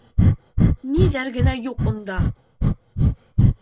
Ниҙәр генә юҡ унда!